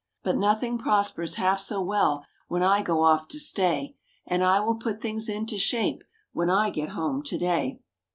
But nothing prospers half so well when I go off to stay, And I will put things into shape, when I get home to day.